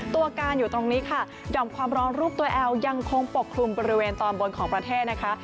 ตัวการอยู่ตรงนี้ค่ะหย่อมความร้อนรูปตัวแอลยังคงปกคลุมบริเวณตอนบนของประเทศนะคะ